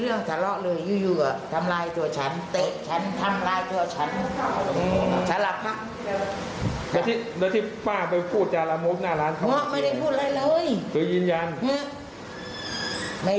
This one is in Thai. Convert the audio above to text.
เอาได้ไปกี่กว่าไง